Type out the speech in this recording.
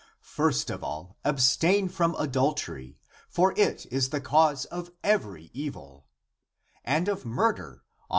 First of all abstain from adultery, for it is the cause of every evil, <and of murder, on 2 Matt.